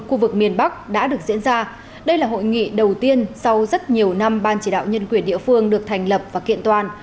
khu vực miền bắc đã được diễn ra đây là hội nghị đầu tiên sau rất nhiều năm ban chỉ đạo nhân quyền địa phương được thành lập và kiện toàn